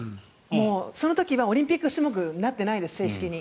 その時はオリンピック種目になっていないです、正式に。